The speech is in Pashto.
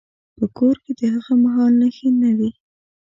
په کور کې د هغه مهال نښې نه وې.